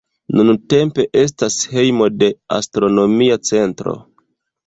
Nuntempe estas hejmo de astronomia centro.